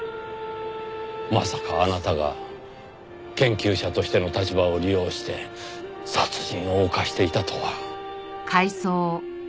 まさかあなたが研究者としての立場を利用して殺人を犯していたとは。